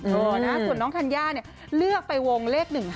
ส่วนน้องธัญญ่านะเลือกไปวงเลข๑๕